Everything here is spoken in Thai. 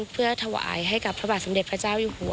เพื่อถวายให้กับพระบาทสมเด็จพระเจ้าอยู่หัว